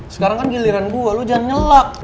sekarang kan giliran gue lo jangan nyelap